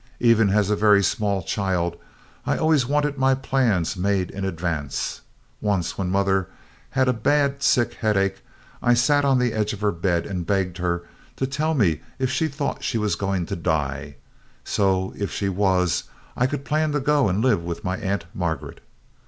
"Even as a very small child I always wanted my plans made in advance. Once, when mother had a bad sick headache, I sat on the edge of her bed and begged her to tell me if she thought she was going to die, so if she was I could plan to go and live with my Aunt Margaret.